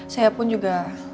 saya pun juga